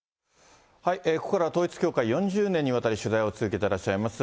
ここからは統一教会、４０年にわたり取材を続けていらっしゃいます